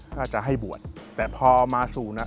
ก็จะให้บวชแต่พอมาสู่